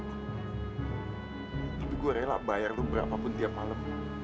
tapi gue rela bayar gue berapapun tiap malam